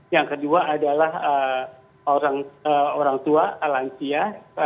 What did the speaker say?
yang kedua adalah orang tua alansia